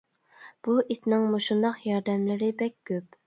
بۇ ئىتنىڭ مۇشۇنداق ياردەملىرى بەك كۆپ.